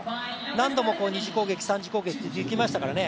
何度も二重攻撃、三重攻撃ってできましたからね